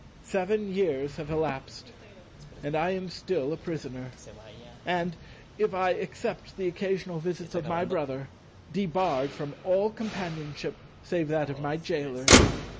Seven years have elapsed and I am still a prisoner, and—if I except the occasional visits of my brother—debarred from all companionship save that of my jailers.